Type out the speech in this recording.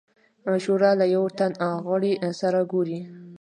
شورا له یوه تن غړي سره وګوري.